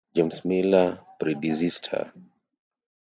James Millar predeceased her.